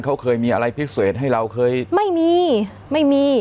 เขาเคยมีอะไรพิเศษให้เราเคยไม่มีไม่มี